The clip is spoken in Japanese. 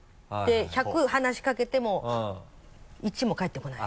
１００話しかけても１も返ってこない。